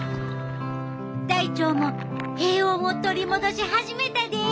大腸も平穏を取り戻し始めたで！